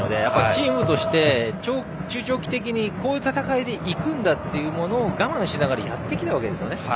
チームとして中長期的にこういう戦いでいくんだというのを我慢しながらやってきたわけですよね。